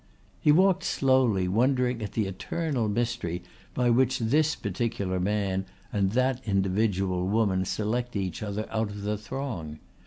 He walked slowly, wondering at the eternal mystery by which this particular man and that individual woman select each other out of the throng.